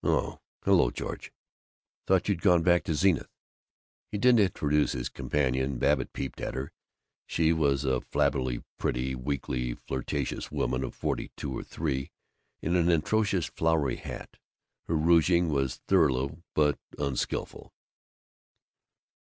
"Oh, hello, George. Thought you'd gone back to Zenith." He did not introduce his companion. Babbitt peeped at her. She was a flabbily pretty, weakly flirtatious woman of forty two or three, in an atrocious flowery hat. Her rouging was thorough but unskilful.